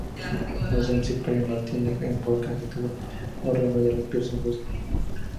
No en un simple martini con vodka agitado, no removido, de Pierce Brosnan.